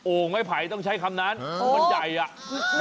ไม้ไผ่ต้องใช้คำนั้นมันใหญ่อ่ะ